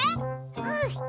うん！